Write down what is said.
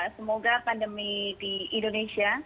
semoga pandemi di indonesia